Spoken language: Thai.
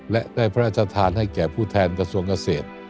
และได้พระราชทานให้แก่ผู้แทนกระทรวงเกษตร